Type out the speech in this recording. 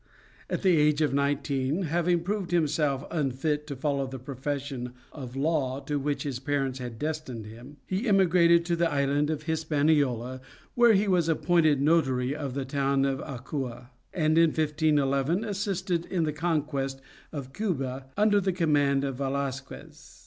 At the age of nineteen having proved himself unfit to follow the profession of the law to which his parents had destined him, he emigrated to the Indian Island of Hispaniola where he was appointed notary of the town of Acua, and in 1511 assisted in the conquest of Cuba under the command of Velasquez.